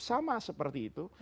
sama seperti itu